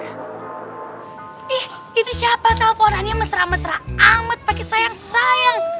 ih itu siapa teleponannya mesra mesra amat pakai sayang sayang